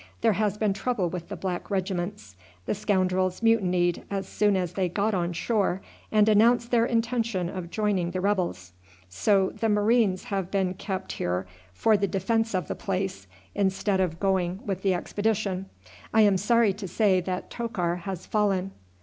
There has been trouble with the black regiments. The scoundrels mutinied as soon as they got on shore, and announced their intention of joining the rebels; so the marines have been kept here for the defence of the place, instead of going with the expedition. I am sorry to say that Tokar has fallen."